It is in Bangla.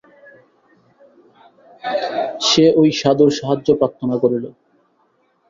সে ঐ সাধুর সাহায্য প্রার্থনা করিল।